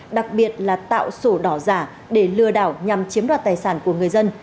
đặc biệt là tạo sổ đỏ giả để lừa đảo nhằm chiếm đoạt tài sản của người dân